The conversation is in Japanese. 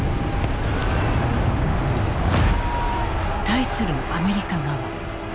対するアメリカ側。